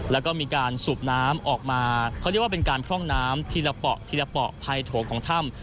แล้วก็มีการสูบน้ำออกมาเขาเรียกว่าเป็นการพร่องน้ำทีละเปาะทีละเปาะภายโถงของถ้ำ